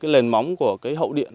lền móng của cái hậu điện